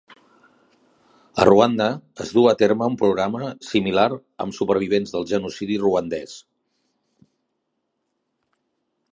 A Ruanda, es duu a terme un programa similar amb supervivents del genocidi ruandès.